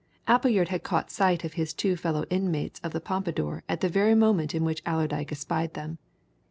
Appleyard had caught sight of his two fellow inmates of the Pompadour at the very moment in which Allerdyke espied them.